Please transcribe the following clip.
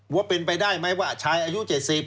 ว่าเป็นไปได้ไหมว่าชายอายุ๗๐